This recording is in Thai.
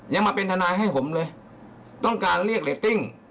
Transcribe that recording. ยังมาเป็นทนายให้ผมเลยต้องการเรียกเรตติ้ง